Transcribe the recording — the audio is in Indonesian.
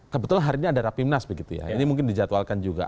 kebetulan hari ini ada rapimnas begitu ya ini mungkin dijadwalkan juga